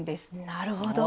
なるほど。